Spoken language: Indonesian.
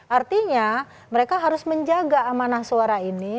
artinya mereka harus menjaga amanah suara ini